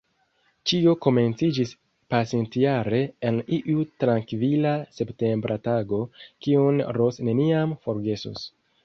Ĉio komenciĝis pasintjare en iu trankvila septembra tago, kiun Ros neniam forgesos.